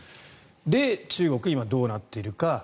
で、中国は今、どうなっているか。